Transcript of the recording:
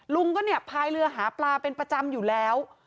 ลุงก็เนี่ยพายเรือหาปลาเป็นประจำอยู่แล้ว